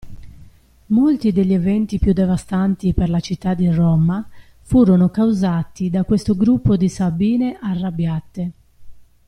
Molti degli eventi più devastanti per la città di Roma furono causati da questo gruppo di Sabine arrabbiate.